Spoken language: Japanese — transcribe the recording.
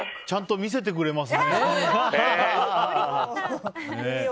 ちゃんと見せてくれますね。